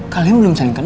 kalian belum saling kenal